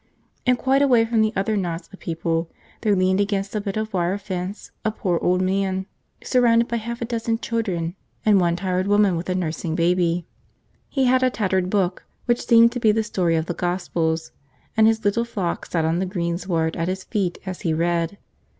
And quite away from the other knots of people, there leaned against a bit of wire fence a poor old man surrounded by half a dozen children and one tired woman with a nursing baby. He had a tattered book, which seemed to be the story of the Gospels, and his little flock sat on the greensward at his feet as he read.